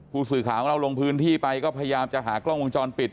ผู้สื่อข่าวของเราลงพื้นที่ไปก็พยายามจะหากล้องวงจรปิด